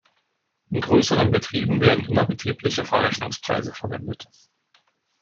In größeren Betrieben werden innerbetriebliche Verrechnungspreise verwendet.